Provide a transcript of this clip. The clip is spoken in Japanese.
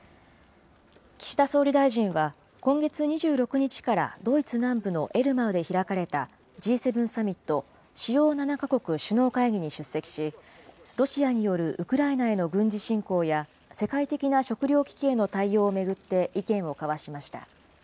岸田総理大臣は今月２６日からドイツ南部のエルマウで開かれた、Ｇ７サミット・主要７か国首脳会議に出席し、ロシアによるウクライナへの軍事侵攻や、世界的な食料危機への対応を巡って意見を交わしました。